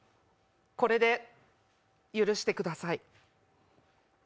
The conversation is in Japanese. これで許してください。